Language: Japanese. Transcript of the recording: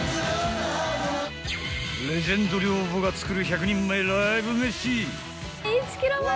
レジェンド寮母が作る１００人前ライブ飯。